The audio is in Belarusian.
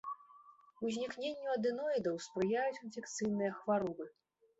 Узнікненню адэноідаў спрыяюць інфекцыйныя хваробы.